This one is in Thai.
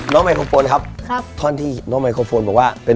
น้องไมโครโฟนจากทีมมังกรจิ๋วเจ้าพญา